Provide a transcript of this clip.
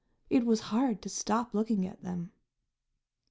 It was hard to stop looking at them.